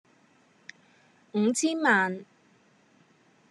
五千萬